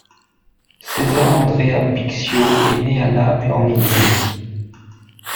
Cesare Andrea Bixio est né à Naples, en Italie.